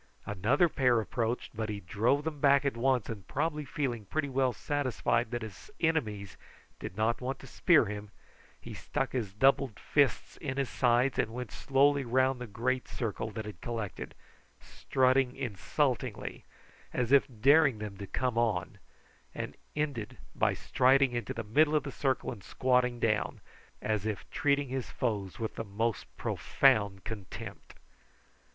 Another pair approached, but he drove them back at once, and probably feeling' pretty well satisfied that his enemies did not want to spear him, he stuck his doubled fists in his sides and went slowly round the great circle that had collected, strutting insultingly, as if daring them to come on, and ending by striding into the middle of the circle and squatting down, as if treating his foes with the most profound contempt.